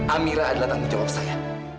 amira adalah tanggung jawab saya